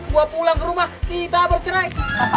buat pulang ke rumah kita bercerai